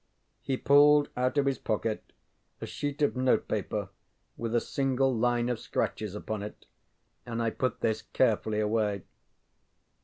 ŌĆØ He pulled out of his pocket a sheet of note paper, with a single line of scratches upon it, and I put this carefully away.